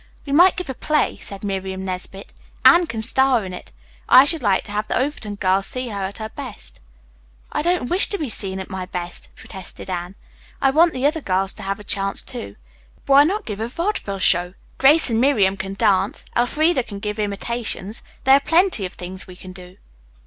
"We might give a play," said Miriam Nesbit. "Anne can star in it. I should like to have the Overton girls see her at her best." "I don't wish to be seen 'at my best,'" protested Anne. "I want the other girls to have a chance, too. Why not give a vaudeville show? Grace and Miriam can dance. Elfreda can give imitations. There are plenty of things we can do.